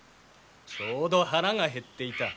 ちょうど腹が減っていた。